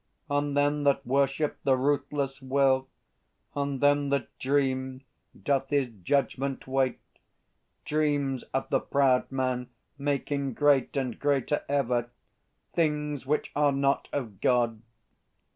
On them that worship the Ruthless Will, On them that dream, doth His judgment wait. Dreams of the proud man, making great And greater ever, Things which are not of God.